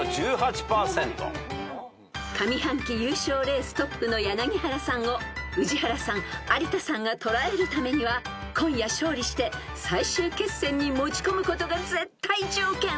［上半期優勝レーストップの柳原さんを宇治原さん有田さんが捉えるためには今夜勝利して最終決戦に持ち込むことが絶対条件］